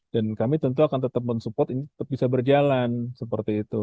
dan kami tentu akan tetap men support ini bisa berjalan seperti itu